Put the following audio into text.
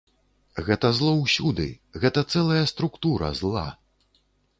Гэта зло ўсюды, гэта цэлая структура зла.